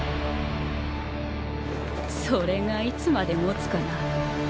それがいつまでもつかな？